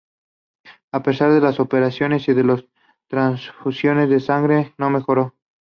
A pesar de las operaciones y de las transfusiones de sangre, no mejoró.